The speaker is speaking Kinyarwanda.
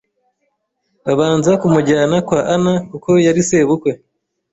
babanza kumujyana kwa Ana kuko yari sebukwe